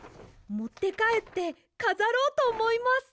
もってかえってかざろうとおもいます。